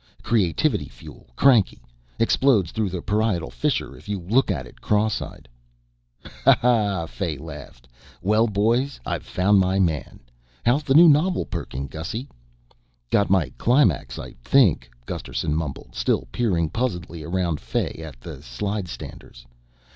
"Creativity fuel. Cranky. Explodes through the parietal fissure if you look at it cross eyed." "Ha ha," Fay laughed. "Well, boys, I've found my man. How's the new novel perking, Gussy?" "Got my climax, I think," Gusterson mumbled, still peering puzzledly around Fay at the slidestanders.